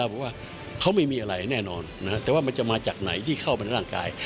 แต่ว่ามันจะมาถึงไหนที่เข้าในร่างกายแต่ว่ามันจะมาจากไหนที่เข้าในร่างกาย